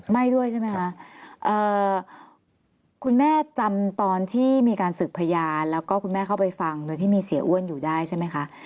ไม่ด้วยใช่ไหมคะคุณแม่จำตอนที่มีการสืบพยานแล้วก็คุณแม่เข้าไปฟังโดยที่มีเสียอ้วนอยู่ได้ใช่ไหมคะ